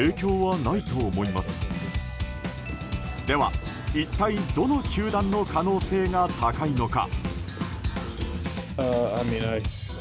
では一体どの球団の可能性が高いのか。